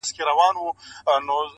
ژوند که ورته غواړې وایه وسوځه-